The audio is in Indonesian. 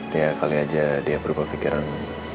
tiap kali aja dia berubah pikiran